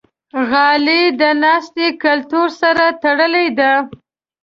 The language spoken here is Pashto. غالۍ د ناستې کلتور سره تړلې ده.